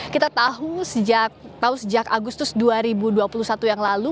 kita tahu sejak agustus dua ribu dua puluh satu yang lalu